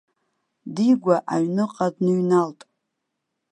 Дигәа аҩынҟа дныҩналт.